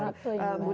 dan itu sesuatu juga